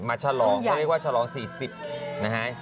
ฉลองเขาเรียกว่าชะลอง๔๐นะฮะ